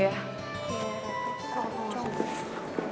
iya reva itu kok kenceng